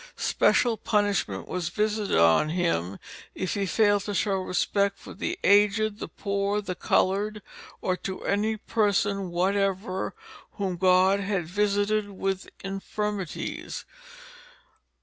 Special punishment was visited on him if he failed to show respect for the aged, the poor, the colored, or to any persons whatever whom God had visited with infirmities."